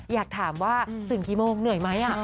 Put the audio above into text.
อยากถามว่าถึงกี่โมงเหนื่อยไหม